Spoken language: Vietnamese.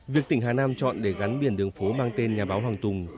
việc tỉnh hà nam chọn để gắn biển đường phố mang tên nhà báo hoàng tùng